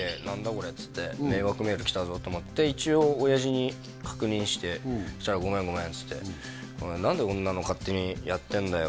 これ」っつって迷惑メール来たぞと思って一応親父に確認してそしたら「ごめんごめん」っつって「何でこんなの勝手にやってんだよ」